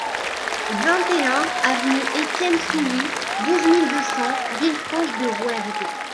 vingt et un avenue Etienne Soulie, douze mille deux cents Villefranche-de-Rouergue